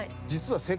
実は。